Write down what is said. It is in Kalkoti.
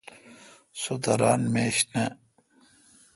سو تہ ران میش نہ۔